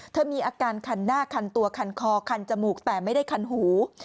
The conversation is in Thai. มีอาการคันหน้าคันตัวคันคอคันจมูกแต่ไม่ได้คันหู